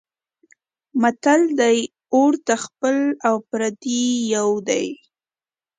متل دی: اور ته خپل او پردی یو دی.